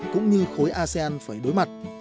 cũng như khối asean phải đối mặt